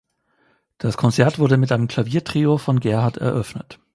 Das Konzert wurde mit einem Klaviertrio von Gerhard eröffnet.